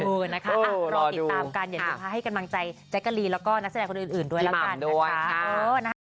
รอติดตามกันให้กำลังใจเจ๊กะลิและนักแสดงคนอื่นด้วยละกัน